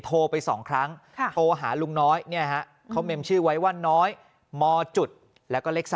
โทรไป๒ครั้งโทรหาลุงน้อยเขาเมมชื่อไว้ว่าน้อยมจุดแล้วก็เลข๓